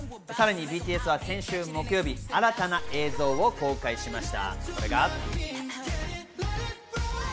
ＢＴＳは先週木曜日、新たな映像を公開しました。